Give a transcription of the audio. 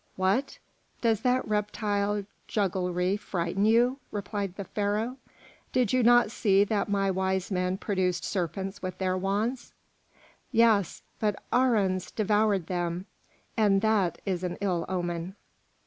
"What! does that reptile jugglery frighten you?" replied the Pharaoh. "Did you not see that my wise men produced serpents with their wands?" "Yes, but Aharon's devoured them, and that is an ill omen."